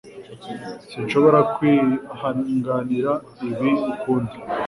Sinshobora kwihanganira ibi ukundi